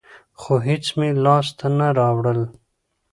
خو هېڅ مې لاس ته رانه وړل.